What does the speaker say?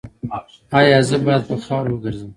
ایا زه باید په خاورو وګرځم؟